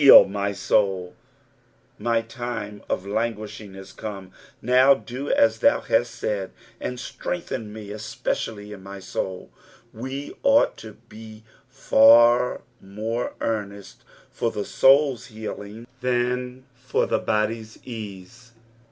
Haiti my mml" My time of InngiiisliiDg is come, now do as thou liiut said, and atrengthen me, especially in my bouI. We ought to be far mere earnest for the soul's healing than fur the body's ease.